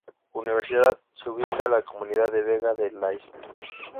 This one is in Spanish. Universidad, se ubica la comunidad de Vega de la Isla.